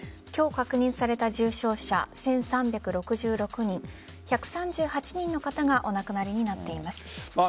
今日確認された重症者１３６６人１３８人の方がお亡くなりになっています。